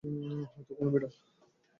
হয়তো কোনো বিড়াল?